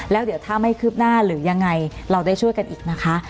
แล้วเดี๋ยวถ้าไม่คืบหน้าหรือยังไงเราได้ช่วยกันอีกนะคะ